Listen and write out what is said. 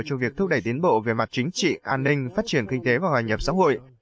cho việc thúc đẩy tiến bộ về mặt chính trị an ninh phát triển kinh tế và hòa nhập xã hội